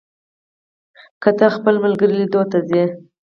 که ته د خپل ملګري لیدو ته ځې،